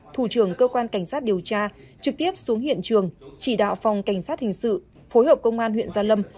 thủ trưởng cơ quan cảnh sát điều tra trực tiếp xuống hiện trường chỉ đạo phòng cảnh sát hình sự phối hợp công an huyện gia lâm